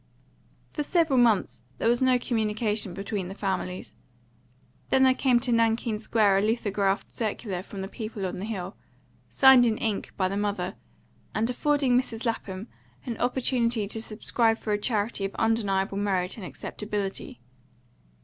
For several months there was no communication between the families. Then there came to Nankeen Square a lithographed circular from the people on the Hill, signed in ink by the mother, and affording Mrs. Lapham an opportunity to subscribe for a charity of undeniable merit and acceptability.